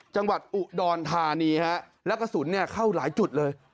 จังหวัดอุดรธานีฮะแล้วกระสุนเนี่ยเข้าหลายจุดเลย